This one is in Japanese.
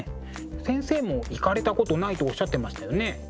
先生も行かれたことないとおっしゃってましたよね。